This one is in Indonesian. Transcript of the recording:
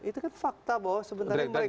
itu kan fakta bahwa sebenarnya mereka